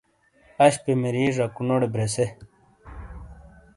اشپے مری جکونوٹے برژے